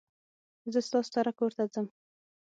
زه ستاسو سره کورته ځم